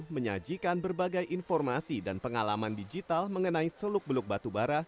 menyajikan berbagai informasi dan pengalaman digital mengenai seluk beluk batubara